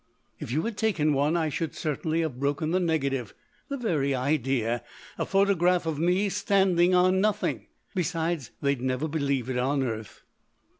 "If you had taken one I should certainly have broken the negative. The very idea a photograph of me standing on nothing! Besides, they'd never believe it on Earth."